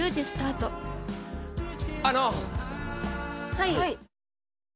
はい？